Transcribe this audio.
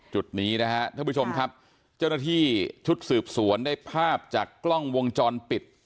จุดนี้นะฮะท่านผู้ชมครับเจ้าหน้าที่ชุดสืบสวนได้ภาพจากกล้องวงจรปิด